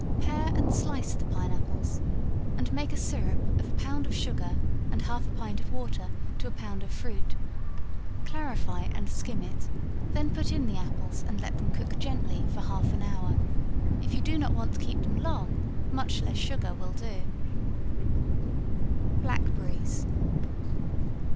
Pare and slice the pine apples, and make a syrup of a pound of sugar and half a pint of water to a pound of fruit; clarify and skim it, then put in the apples and let them cook gently for half an hour; if you do not want to keep them long, much less sugar will do. Blackberries.